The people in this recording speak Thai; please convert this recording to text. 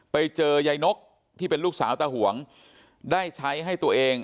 ไปเจอยายนกที่เป็นลูกสาวตาหวงได้ใช้ให้ตัวเอง